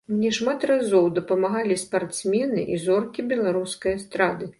Мне шмат разоў дапамагалі спартсмены і зоркі беларускай эстрады.